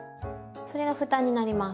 それが蓋になります。